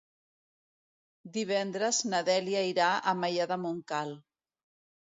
Divendres na Dèlia irà a Maià de Montcal.